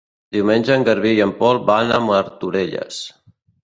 Diumenge en Garbí i en Pol van a Martorelles.